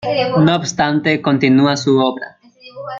No obstante, continúa su obra.